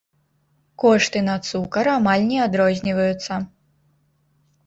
Кошты на цукар амаль не адрозніваюцца.